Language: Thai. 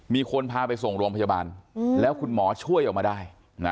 มีคนพาไปส่งโรงพยาบาลแล้วคุณหมอช่วยออกมาได้